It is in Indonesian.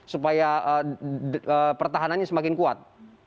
supaya pertahanannya semakin kuat